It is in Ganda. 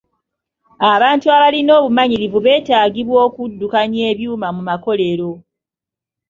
Abantu abalina obumanyirivu betaagibwa okuddukanya ebyuma mu makolero.